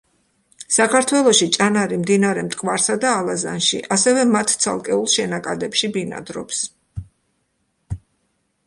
საქართველოში ჭანარი მდინარე მტკვარსა და ალაზანში, ასევე მათ ცალკეულ შენაკადებში ბინადრობს.